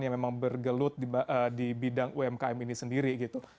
yang memang bergelut di bidang umkm ini sendiri gitu